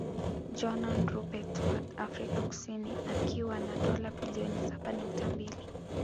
Johann Rupert wa Afrika Kusini akiwa na dola bilioni saba nukta mbili